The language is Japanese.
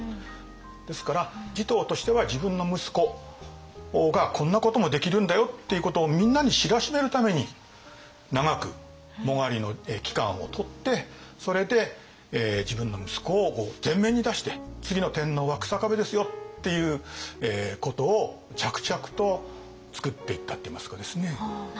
ですから持統としては自分の息子がこんなこともできるんだよっていうことをみんなに知らしめるために長く殯の期間をとってそれで自分の息子を前面に出して次の天皇は草壁ですよっていうことを着々とつくっていったといいますかですね。